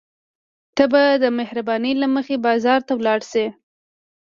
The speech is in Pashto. ته به د مهربانۍ له مخې بازار ته ولاړ شې.